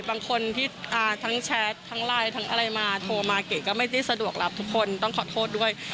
บางคนที่ทั้งแชททั้งไลน์ทั้งอะไรมาโทรมาเก๋ก็ไม่ได้สะดวกรับทุกคนต้องขอโทษด้วย